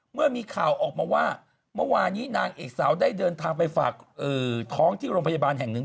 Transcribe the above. เมื่อมีข่าวออกมาว่าเมื่อวานี้นางเอกสาวได้เดินทางไปฝากท้องที่โรงพยาบาลแห่งหนึ่ง